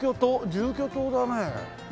住居棟だねえ。